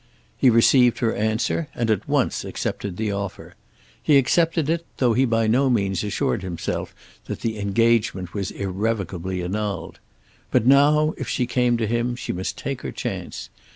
He received her answer and at once accepted the offer. He accepted it, though he by no means assured himself that the engagement was irrevocably annulled. But now, if she came to him, she must take her chance.